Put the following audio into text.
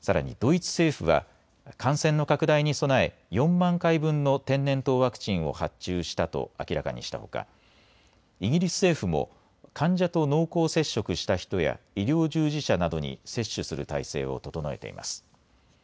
さらにドイツ政府は感染の拡大に備え４万回分の天然痘ワクチンを発注したと明らかにしたほかイギリス政府も患者と濃厚接触した人や医療従事者などに接種する態勢を整えています。